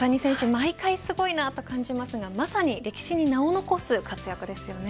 毎回すごいなと感じますがまさに歴史に名を残す活躍ですよね。